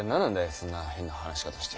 そんな変な話し方して。